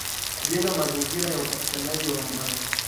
kujenga mazingira ya upatikanaji wa amani